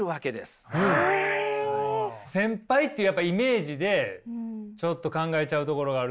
先輩っていうやっぱイメージでちょっと考えちゃうところがあるけど。